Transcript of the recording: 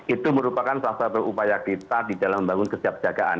itu merupakan sasar berupaya kita di dalam membangun kesejahteraan